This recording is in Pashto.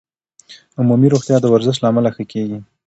عمومي روغتیا د ورزش له امله ښه کېږي.